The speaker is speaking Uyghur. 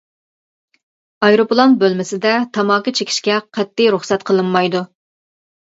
ئايروپىلان بۆلمىسىدە تاماكا چېكىشكە قەتئىي رۇخسەت قىلىنمايدۇ.